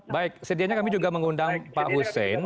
baik sedianya kami juga mengundang pak hussein